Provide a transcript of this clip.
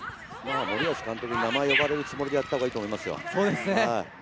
森保監督に名前を呼ばれるつもりでやったほうがいいと思いますよ。